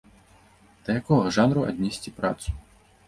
Да якога жанру аднесці працу?